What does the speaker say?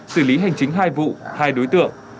xử lý hành chính hai vụ hai đối tượng